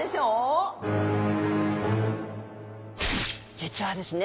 実はですね